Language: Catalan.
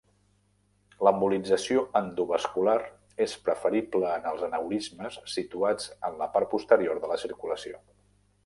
L'embolització endovascular és preferible en els aneurismes situats en la part posterior de la circulació.